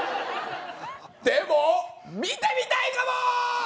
でも見てみたいかもー！